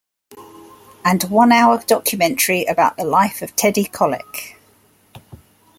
And a one-hour documentary about the life of Teddy Kollek.